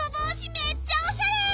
めっちゃおしゃれ！